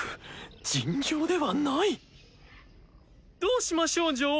尋常ではない！どうしましょう女王。